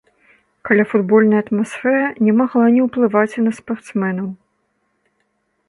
Каляфутбольная атмасфера не магла не ўплываць і на спартсменаў.